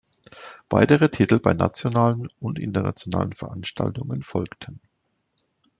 Weitere Titel bei nationalen und internationalen Veranstaltungen folgten.